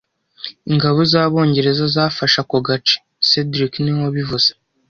Ingabo z’Abongereza zafashe ako gace cedric niwe wabivuze